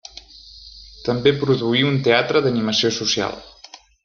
També produí un teatre d'animació social.